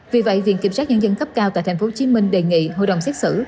vì vậy viện kiểm sát nhân dân cấp cao tại tp hcm đề nghị hội đồng xét xử